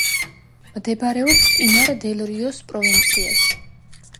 მდებარეობს პინარ-დელ-რიოს პროვინციაში.